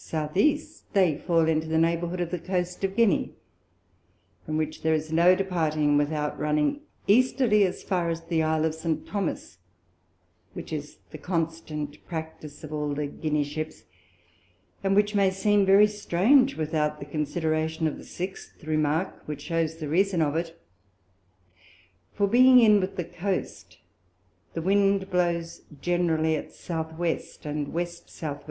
E. they fall into the Neighbourhood of the Coast of Guinea, from which there is no departing without running Easterly, as far as the Isle of St. Thomas, which is the constant practice of all the Guinea Ships, and which may seem very strange, without the consideration of the sixth Remark, which shews the Reason of it: For being in with the Coast, the Wind blows generally at S. W. and W. S. W.